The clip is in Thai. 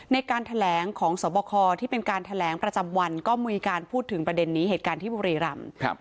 ในการแถลงของสวบคที่เป็นการแถลงประจำวันก็มีการพูดถึงประเด็นนี้เหตุการณ์ที่บุรีรำ